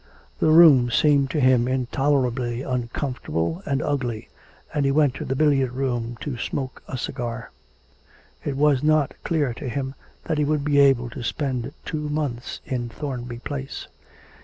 The room seemed to him intolerably uncomfortable and ugly, and he went to the billiard room to smoke a cigar. It was not clear to him that he would be able to spend two months in Thornby Place.